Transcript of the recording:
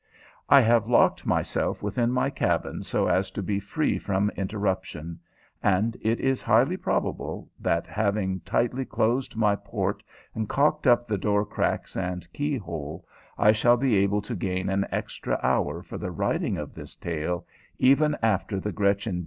I have locked myself within my cabin so as to be free from interruption, and it is highly probable that, having tightly closed my port and calked up the door cracks and key hole, I shall be able to gain an extra hour for the writing of this tale even after the _Gretchen B.